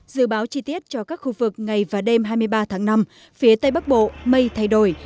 dự báo chi tiết cho các khu vực ngày và đêm hai mươi ba tháng năm phía tây bắc bộ mây thay đổi